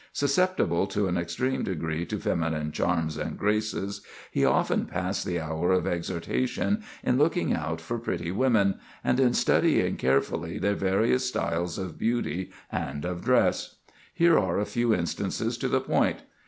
Susceptible to an extreme degree to feminine charms and graces, he often passed the hour of exhortation in looking out for pretty women, and in studying carefully their various styles of beauty and of dress. Here are a few instances to the point.